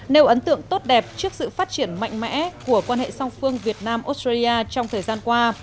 nêu ấn tượng tốt đẹp trước sự phát triển mạnh mẽ của quan hệ song phương việt nam australia trong thời gian qua